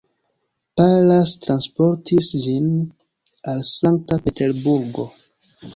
Pallas transportis ĝin al Sankta-Peterburgo.